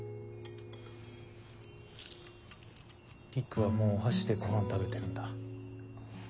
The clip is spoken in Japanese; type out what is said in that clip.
璃久はもうお箸でごはん食べてるんだ。